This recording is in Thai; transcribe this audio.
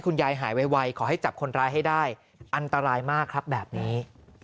หายไวขอให้จับคนร้ายให้ได้อันตรายมากครับแบบนี้